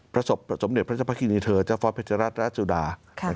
สมเด็จพระเจ้าพระคินีเธอเจ้าฟ้าเพชรัตนราชสุดา